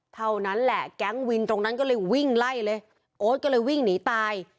เท่านั้นแหละแก๊งวินตรงนั้นก็เลยวิ่งไล่เลยโอ๊ตก็เลยวิ่งหนีตาย